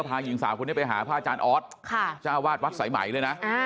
ไปหาพ่ออาจารย์ออสชาวาสวัสดิ์สายใหม่ด้วยนะ